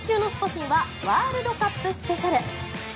神はワールドカップスペシャル。